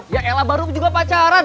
ya ella baru juga pacaran